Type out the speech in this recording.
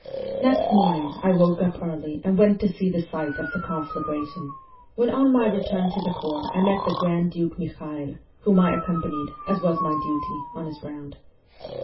Next morning I woke up early and went to see the 190 site of the conflagration, when on my return to the corps I met the Grand Duke Michael, whom I accompanied, as was my duty, on his round.